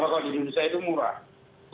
kalau di indonesia itu murah